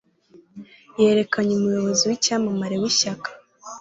Yerekanye umuyobozi w'icyamamare w'ishyaka,